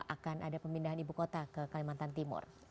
akan ada pemindahan ibu kota ke kalimantan timur